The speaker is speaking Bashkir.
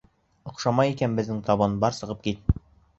Оҡшамай икән беҙҙең табын, бар сығып кит!